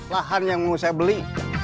lahan yang mau saya beli